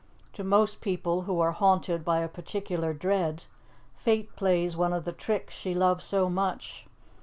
To most people who are haunted by a particular dread, Fate plays one of the tricks she loves so much.